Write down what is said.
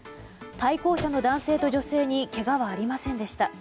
対向車の男性と女性にけがはありませんでした。